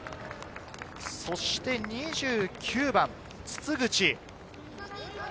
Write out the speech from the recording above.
そして２９番・筒口。